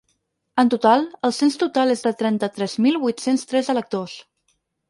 En total, el cens total és de trenta-tres mil vuit-cents tres electors.